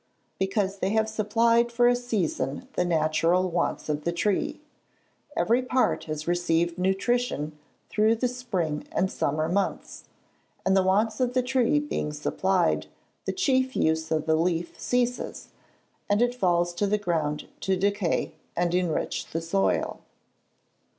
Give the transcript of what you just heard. _ Because they have supplied for a season the natural wants of the tree. Every part has received nutrition through the spring and summer months; and the wants of the tree being supplied, the chief use of the leaf ceases, and it falls to the ground to decay, and enrich the soil.